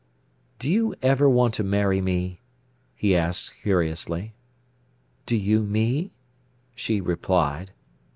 "Do you ever want to marry me?" he asked curiously. "Do you me?" she replied.